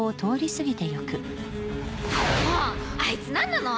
あいつ何なの？